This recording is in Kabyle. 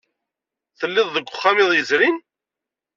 Tellid deg wexxam iḍ yezrin?